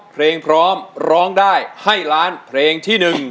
เพลงพร้อมร้องได้ให้ล้านเพลงที่๑